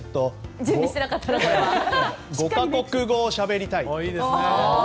５か国語をしゃべりたい。